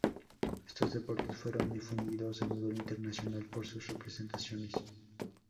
Estos deportes fueron difundidos a nivel internacional por sus representaciones.